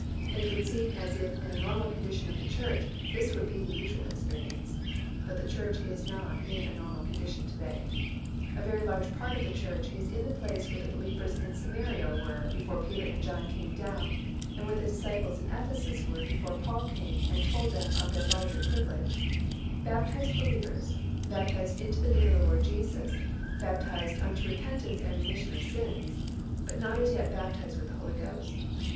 It would seem as if in a normal condition of the church, this would be the usual experience. But the church is not in a normal condition to day. A very large part of the church is in the place where the believers in Samaria were before Peter and John came down, and where the disciples in Ephesus were before Paul came and told them of their larger privilege—baptized believers, baptized into the name of the Lord Jesus, baptized unto repentance and remission of sins, but not as yet baptized with the Holy Ghost.